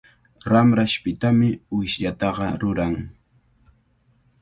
Ramrashpitami wishllataqa ruran.